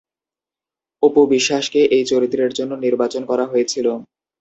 অপু বিশ্বাসকে এই চরিত্রের জন্য নির্বাচন করা হয়েছিল।